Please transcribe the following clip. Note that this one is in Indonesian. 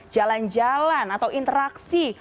jalan jalan atau interaksi